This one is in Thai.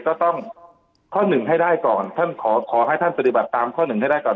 ก็ต้องข้อหนึ่งให้ได้ก่อนท่านขอขอให้ท่านปฏิบัติตามข้อหนึ่งให้ได้ก่อน